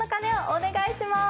お願いします。